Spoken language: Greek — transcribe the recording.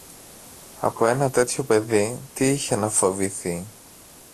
Από ένα τέτοιο παιδί τι είχε να φοβηθεί;